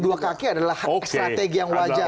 jadi politik dua kaki adalah strategi yang wajar